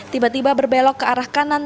tiba tiba berbelok ke arah kanan